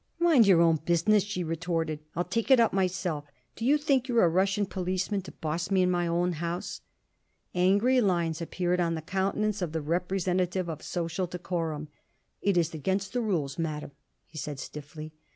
"Mind your own business," she retorted. "I'll take it up myself. Do you think you're a Russian policeman to boss me in my own house?" Angry lines appeared on the countenance of the representative of social decorum. "It is against the rules, Madam," he said stiffly.